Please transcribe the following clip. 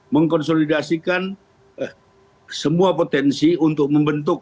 mengkonsolidasikan semua potensi untuk membentuk